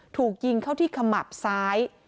ถูกยิงเข้าที่ขมับซ้าย